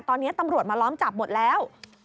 ตอนนี้ตำรวจมาล้อมจับหมดแล้ว